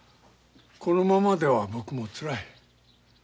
このままでは僕もつらい。